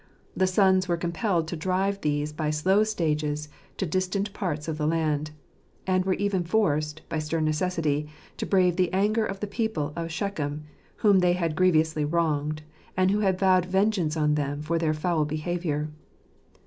The sons were compelled to drive these by slow stages to distant parts of the land ; and were even forced, by stem necessity, to brave the anger of the people of Shechem, whom they had grievously wronged, and who had vowed vengeance on them for their foul behaviour.